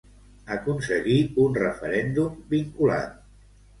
Aconseguir un referèndum vinculant.